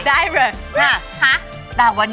ได้เลยงั้น